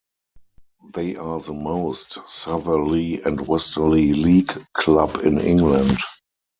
They are the most southerly and westerly League club in England.